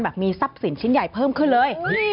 มีทรัพย์สินชิ้นใหญ่เพิ่มขึ้นเลย